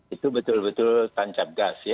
itu betul betul tancap gas ya